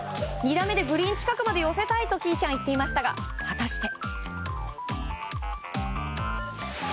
２打目でグリーン近くまで寄せたいと稀唯ちゃんは言っていましたが、果たして。